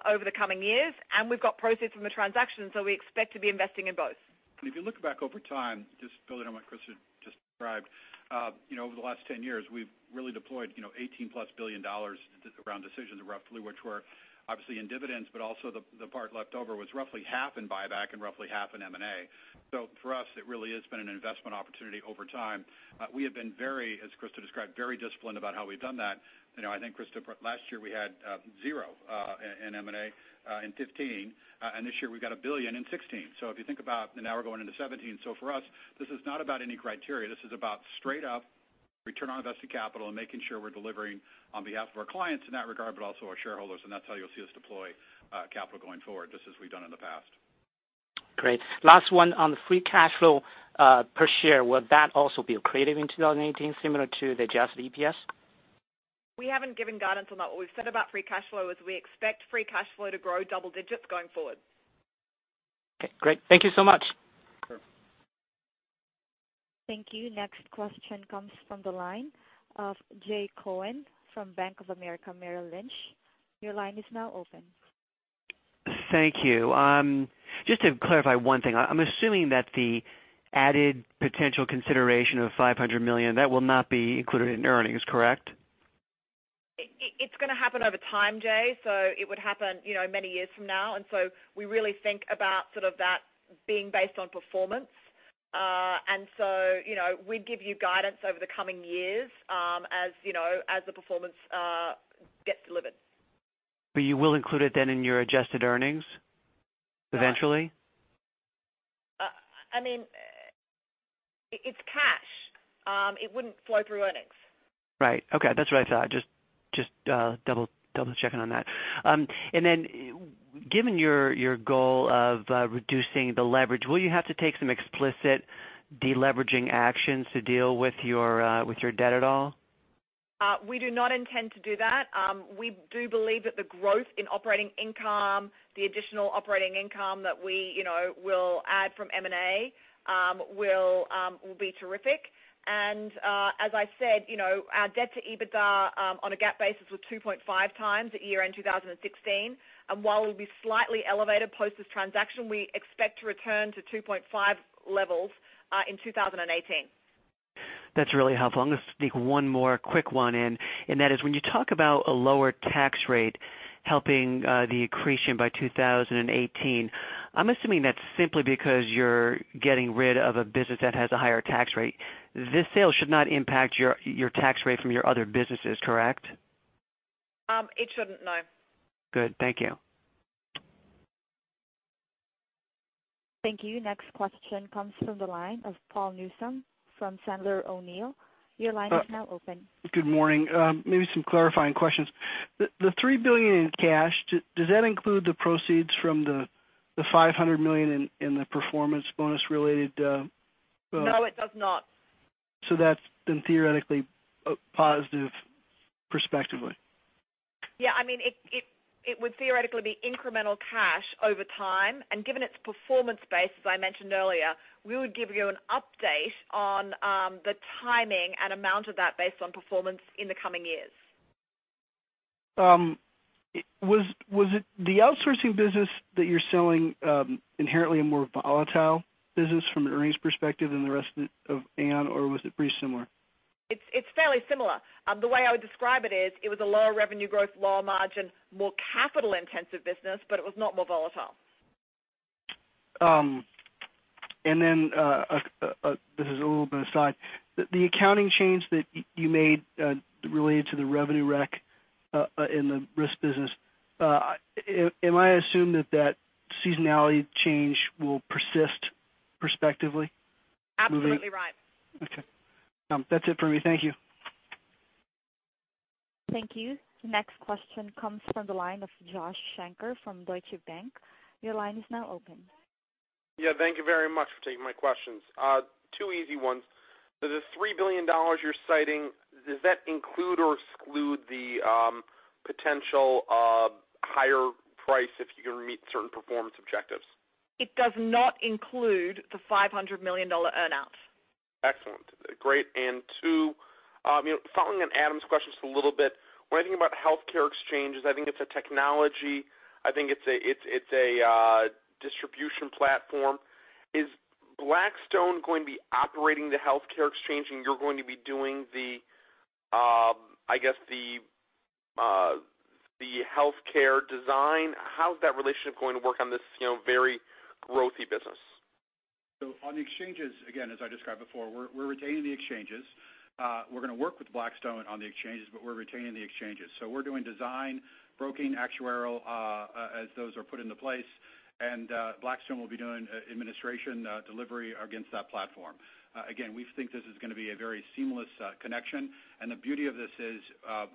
over the coming years. We've got proceeds from the transaction, so we expect to be investing in both. If you look back over time, just building on what Christa just described. Over the last 10 years, we've really deployed $18+ billion around decisions roughly, which were obviously in dividends, but also the part left over was roughly half in buyback and roughly half in M&A. For us, it really has been an investment opportunity over time. We have been very, as Christa described, very disciplined about how we've done that. I think Christa, last year we had zero in M&A in 2015, and this year we've got $1 billion in 2016. If you think about, and now we're going into 2017. For us, this is not about any criteria. This is about straight up return on invested capital and making sure we're delivering on behalf of our clients in that regard, but also our shareholders, that's how you'll see us deploy capital going forward, just as we've done in the past. Great. Last one on free cash flow per share. Will that also be accretive in 2018 similar to the adjusted EPS? We haven't given guidance on that. What we've said about free cash flow is we expect free cash flow to grow double digits going forward. Okay, great. Thank you so much. Sure. Thank you. Next question comes from the line of Jay Cohen from Bank of America Merrill Lynch. Your line is now open. Thank you. Just to clarify one thing, I'm assuming that the added potential consideration of $500 million, that will not be included in earnings, correct? It's going to happen over time, Jay, so it would happen many years from now. We really think about sort of that being based on performance. We'd give you guidance over the coming years, as the performance gets delivered. You will include it then in your adjusted earnings eventually? I mean, it's cash. It wouldn't flow through earnings. Right. Okay. That's what I thought. Just double checking on that. Given your goal of reducing the leverage, will you have to take some explicit deleveraging actions to deal with your debt at all? We do not intend to do that. We do believe that the growth in operating income, the additional operating income that we will add from M&A, will be terrific. As I said, our debt to EBITDA, on a GAAP basis, was 2.5 times at year-end 2016. While it will be slightly elevated post this transaction, we expect to return to 2.5 levels in 2018. That's really helpful. I'm going to sneak one more quick one in, that is when you talk about a lower tax rate helping the accretion by 2018, I'm assuming that's simply because you're getting rid of a business that has a higher tax rate. This sale should not impact your tax rate from your other businesses, correct? It shouldn't, no. Good. Thank you. Thank you. Next question comes from the line of Paul Newsome from Sandler O'Neill. Your line is now open. Good morning. Maybe some clarifying questions. The $3 billion in cash, does that include the proceeds from the $500 million in the performance bonus related- No, it does not. That's then theoretically positive prospectively. Yeah. It would theoretically be incremental cash over time, and given its performance-based, as I mentioned earlier, we would give you an update on the timing and amount of that based on performance in the coming years. Was it the outsourcing business that you're selling inherently a more volatile business from an earnings perspective than the rest of Aon or was it pretty similar? It's fairly similar. The way I would describe it is, it was a lower revenue growth, lower margin, more capital-intensive business, but it was not more volatile. This is a little bit aside. The accounting change that you made related to the revenue rec in the risk business, am I to assume that seasonality change will persist perspectively? Absolutely right. Okay. That's it for me. Thank you. Thank you. Next question comes from the line of Joshua Shanker from Deutsche Bank. Your line is now open. Yeah, thank you very much for taking my questions. Two easy ones. The $3 billion you're citing, does that include or exclude the potential higher price if you meet certain performance objectives? It does not include the $500 million earn out. Excellent. Great. Two, following on Adam's question just a little bit. When I think about healthcare exchanges, I think it's a technology. I think it's a distribution platform. Is Blackstone going to be operating the healthcare exchange and you're going to be doing the healthcare design? How is that relationship going to work on this very growthy business? On the exchanges, again, as I described before, we're retaining the exchanges. We're going to work with Blackstone on the exchanges, but we're retaining the exchanges. We're doing design, broking, actuarial, as those are put into place, and Blackstone will be doing administration delivery against that platform. Again, we think this is going to be a very seamless connection, and the beauty of this is,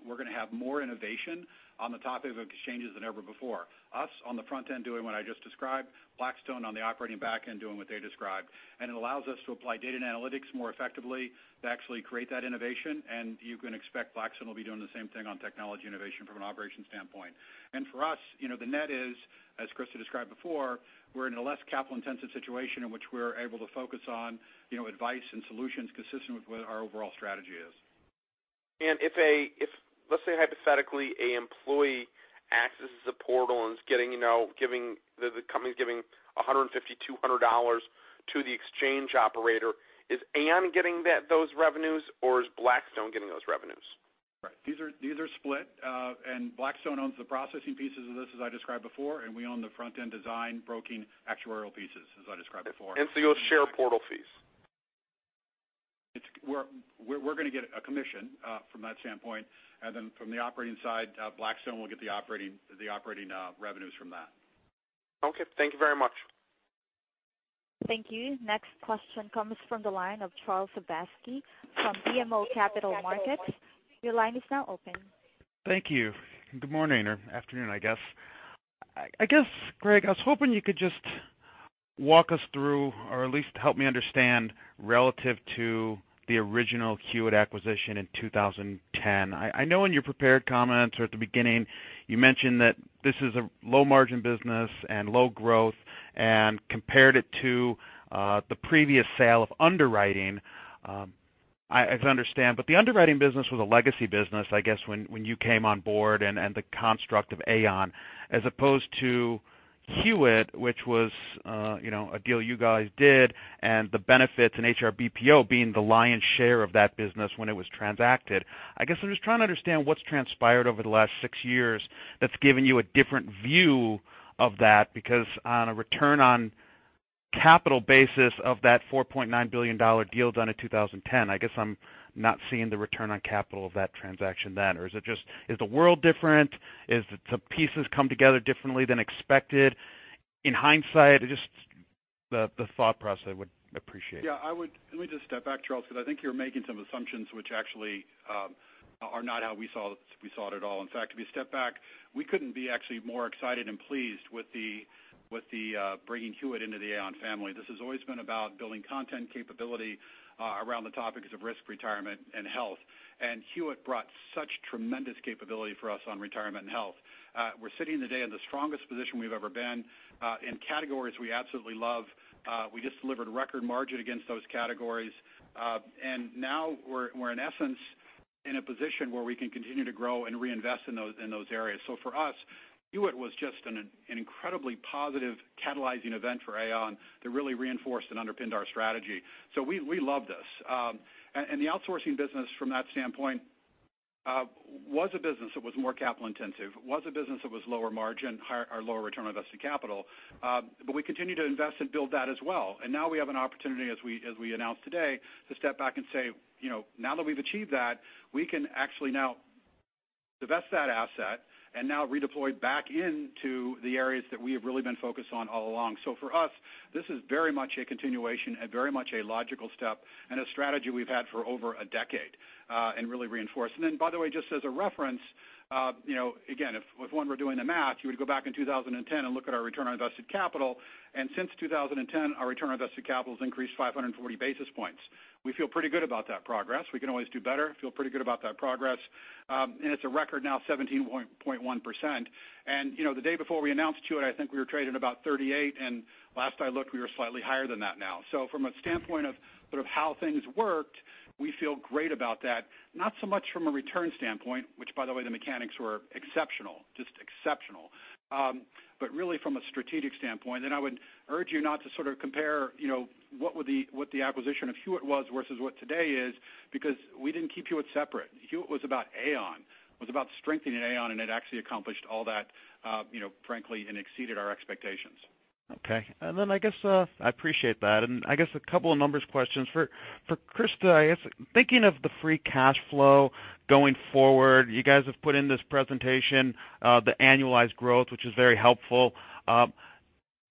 we're going to have more innovation on the topic of exchanges than ever before. Us on the front end doing what I just described, Blackstone on the operating back end doing what they described. It allows us to apply data and analytics more effectively to actually create that innovation, and you can expect Blackstone will be doing the same thing on technology innovation from an operations standpoint. For us, the net is, as Christa described before, we're in a less capital-intensive situation in which we're able to focus on advice and solutions consistent with what our overall strategy is. Let's say hypothetically, a employee accesses a portal and the company's giving $150, $200 to the exchange operator. Is Aon getting those revenues or is Blackstone getting those revenues? Right. These are split. Blackstone owns the processing pieces of this, as I described before, and we own the front-end design, broking, actuarial pieces as I described before. You'll share portal fees? We're going to get a commission from that standpoint. From the operating side, Blackstone will get the operating revenues from that. Okay. Thank you very much. Thank you. Next question comes from the line of Charles Sebaski from BMO Capital Markets. Your line is now open. Thank you. Good morning or afternoon, I guess. I guess, Greg, I was hoping you could just walk us through or at least help me understand relative to the original Hewitt acquisition in 2010. I know in your prepared comments or at the beginning you mentioned that this is a low margin business and low growth and compared it to the previous sale of underwriting, as I understand. But the underwriting business was a legacy business, I guess, when you came on board and the construct of Aon, as opposed to Hewitt, which was a deal you guys did and the benefits in HR BPO being the lion's share of that business when it was transacted. I guess I'm just trying to understand what's transpired over the last six years that's given you a different view of that, because on a return on capital basis of that $4.9 billion deal done in 2010, I guess I'm not seeing the return on capital of that transaction then. Is the world different? Is it the pieces come together differently than expected in hindsight? Just the thought process I would appreciate. Yeah. Let me just step back, Charles, because I think you're making some assumptions which actually are not how we saw it at all. In fact, if you step back, we couldn't be actually more excited and pleased with the bringing Hewitt into the Aon family. This has always been about building content capability around the topics of risk, retirement, and health. Hewitt brought such tremendous capability for us on retirement and health. We're sitting today in the strongest position we've ever been in categories we absolutely love. We just delivered record margin against those categories. Now we're in essence in a position where we can continue to grow and reinvest in those areas. For us, Hewitt was just an incredibly positive catalyzing event for Aon that really reinforced and underpinned our strategy. We love this. The outsourcing business from that standpoint, was a business that was more capital intensive, was a business that was lower margin, lower return on invested capital. We continue to invest and build that as well. Now we have an opportunity, as we announced today, to step back and say, now that we've achieved that, we can actually now divest that asset and now redeploy back into the areas that we have really been focused on all along. For us, this is very much a continuation and very much a logical step and a strategy we've had for over a decade, and really reinforced. Then, by the way, just as a reference, again, if one were doing the math, you would go back in 2010 and look at our return on invested capital. Since 2010, our return on invested capital has increased 540 basis points. We feel pretty good about that progress. We can always do better, feel pretty good about that progress. It's a record now 17.1%. The day before we announced Hewitt, I think we were trading about 38, and last I looked, we were slightly higher than that now. From a standpoint of sort of how things worked, we feel great about that. Not so much from a return standpoint, which by the way, the mechanics were exceptional, just exceptional. Really from a strategic standpoint, and I would urge you not to sort of compare what the acquisition of Hewitt was versus what today is, because we didn't keep Hewitt separate. Hewitt was about Aon. It was about strengthening Aon, and it actually accomplished all that, frankly, and exceeded our expectations. Okay. I appreciate that. I guess a couple of numbers questions. For Christa, I guess thinking of the free cash flow going forward, you guys have put in this presentation the annualized growth, which is very helpful.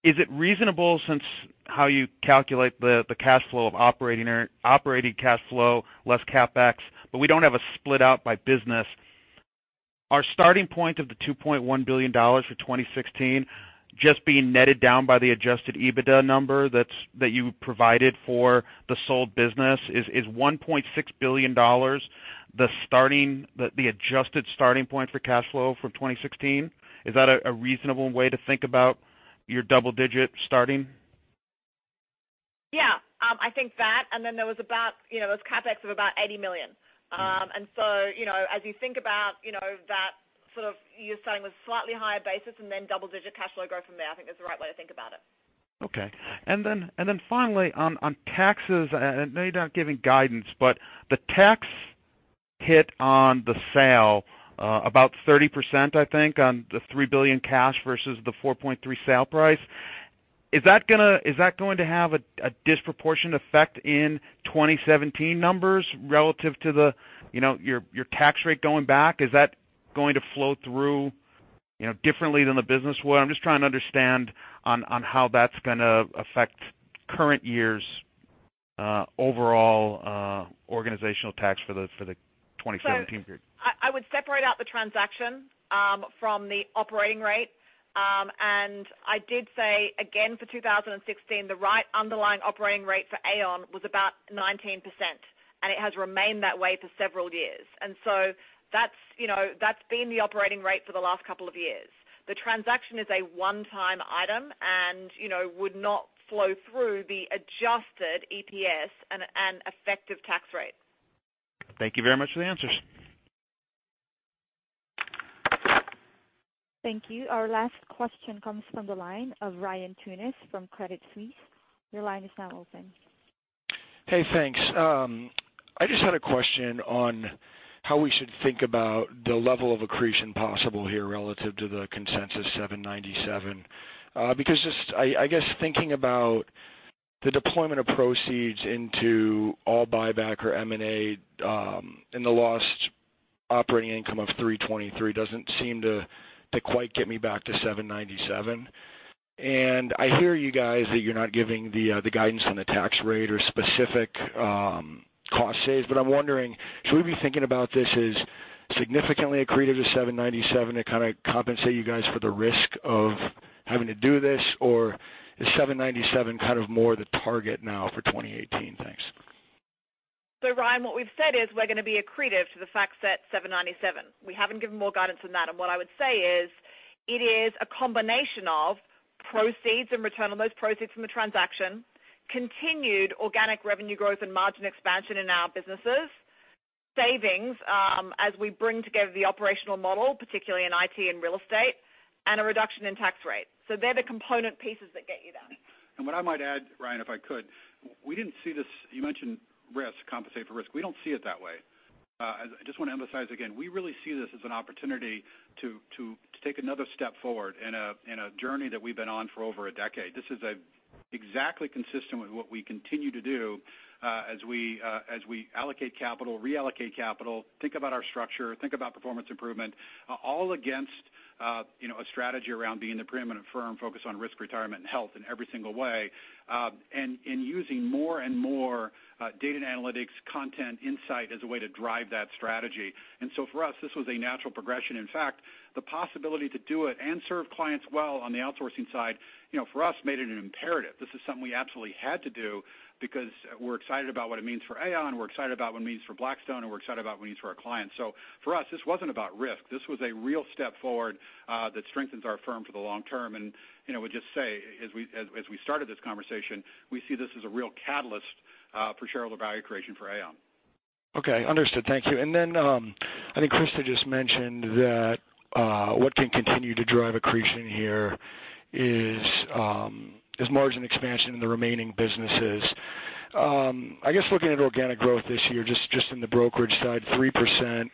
Is it reasonable since how you calculate the cash flow of operating cash flow less CapEx, but we don't have a split out by business. Our starting point of the $2.1 billion for 2016 just being netted down by the adjusted EBITDA number that you provided for the sold business is $1.6 billion the adjusted starting point for cash flow for 2016? Is that a reasonable way to think about your double digit starting? Yeah, I think that then there was CapEx of about $80 million. As you think about that sort of you're starting with slightly higher basis then double-digit cash flow growth from there, I think that's the right way to think about it. Okay. Then finally on taxes, I know you're not giving guidance, but the tax hit on the sale, about 30%, I think, on the $3 billion cash versus the $4.3 sale price. Is that going to have a disproportionate effect in 2017 numbers relative to your tax rate going back? Is that going to flow through differently than the business would? I'm just trying to understand on how that's going to affect current year's overall organizational tax for the 2017 period. I would separate out the transaction from the operating rate. I did say again for 2016, the right underlying operating rate for Aon was about 19%, and it has remained that way for several years. That's been the operating rate for the last couple of years. The transaction is a one-time item and would not flow through the adjusted EPS and effective tax rate. Thank you very much for the answers. Thank you. Our last question comes from the line of Ryan Tunis from Credit Suisse. Your line is now open. Hey, thanks. I just had a question on how we should think about the level of accretion possible here relative to the consensus $797. Thinking about the deployment of proceeds into all buyback or M&A, and the lost operating income of $323 doesn't seem to quite get me back to $797. I hear you guys that you're not giving the guidance on the tax rate or specific cost saves, but I'm wondering, should we be thinking about this as significantly accretive to $797 to kind of compensate you guys for the risk of having to do this? Or is $797 kind of more the target now for 2018? Thanks. Ryan, what we've said is we're going to be accretive to the FactSet $797. We haven't given more guidance than that. What I would say is it is a combination of proceeds and return on those proceeds from the transaction, continued organic revenue growth and margin expansion in our businesses, savings as we bring together the operational model, particularly in IT and real estate, and a reduction in tax rate. They're the component pieces that get you there. What I might add, Ryan, if I could. You mentioned risk, compensate for risk. We don't see it that way. I just want to emphasize again, we really see this as an opportunity to take another step forward in a journey that we've been on for over a decade. This is exactly consistent with what we continue to do as we allocate capital, reallocate capital, think about our structure, think about performance improvement, all against a strategy around being the preeminent firm focused on Risk, Retirement, and Health in every single way. Using more and more data and analytics content insight as a way to drive that strategy. For us, this was a natural progression. In fact, the possibility to do it and serve clients well on the outsourcing side for us, made it an imperative. This is something we absolutely had to do because we're excited about what it means for Aon. We're excited about what it means for Blackstone, and we're excited about what it means for our clients. For us, this wasn't about risk. This was a real step forward that strengthens our firm for the long term. I would just say, as we started this conversation, we see this as a real catalyst for shareholder value creation for Aon. Okay, understood. Thank you. Then, I think Christa just mentioned that what can continue to drive accretion here is margin expansion in the remaining businesses. I guess looking at organic growth this year, just in the brokerage side, 3%,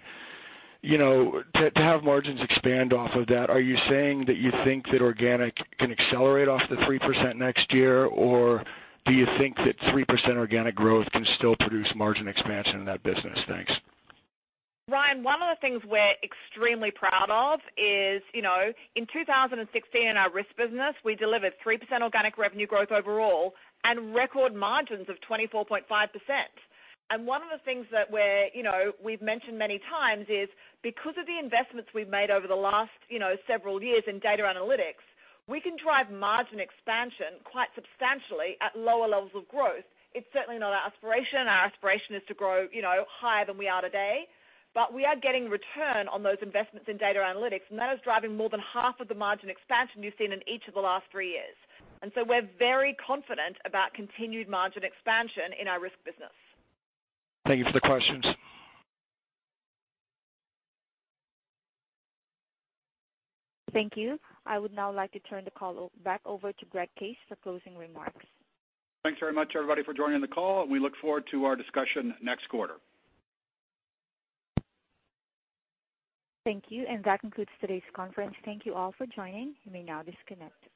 to have margins expand off of that, are you saying that you think that organic can accelerate off the 3% next year? Or do you think that 3% organic growth can still produce margin expansion in that business? Thanks. Ryan, one of the things we're extremely proud of is in 2016 in our risk business, we delivered 3% organic revenue growth overall and record margins of 24.5%. One of the things that we've mentioned many times is because of the investments we've made over the last several years in data analytics, we can drive margin expansion quite substantially at lower levels of growth. It's certainly not our aspiration. Our aspiration is to grow higher than we are today, but we are getting return on those investments in data analytics, and that is driving more than half of the margin expansion you've seen in each of the last three years. So we're very confident about continued margin expansion in our risk business. Thank you for the questions. Thank you. I would now like to turn the call back over to Greg Case for closing remarks. Thanks very much, everybody, for joining the call, and we look forward to our discussion next quarter. Thank you. That concludes today's conference. Thank you all for joining. You may now disconnect.